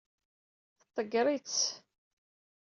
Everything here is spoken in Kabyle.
Tḍeggeṛ-itt.